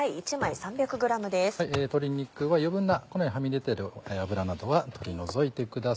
鶏肉は余分なこのようにはみ出てる脂などは取り除いてください。